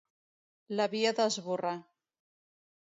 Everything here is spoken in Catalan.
L'havia d'esborrar.